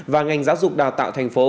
và ngành giáo dục đào tạo thành phố